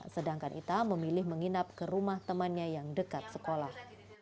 sedangkan ita memilih menginap ke rumah temannya yang dekat sekolah